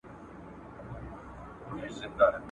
وږي پړانګ غرڅه له لیري وو لیدلی ,